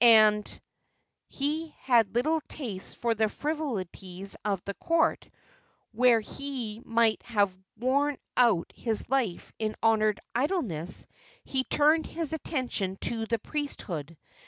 and he had little taste for the frivolities of the court, where he might have worn out his life in honored idleness, he turned his attention to the priesthood.